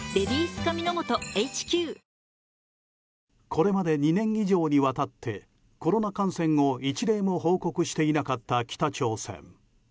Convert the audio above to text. これまで２年以上にわたってコロナ感染を１例も報告していなかった北朝鮮。